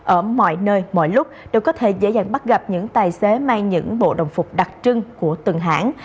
ở mọi nơi mọi lúc đều có thể dễ dàng bắt gặp những tài xế mang những bộ đồng phục đặc trưng của từng hãng